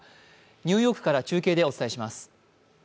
ニューヨークから中継でお伝えします。